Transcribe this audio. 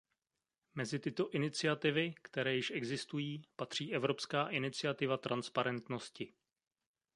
Mezi tyto iniciativy, které již existují, patří Evropská iniciativa transparentnosti.